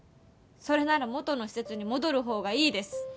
それなら元の施設に戻るほうがいいです。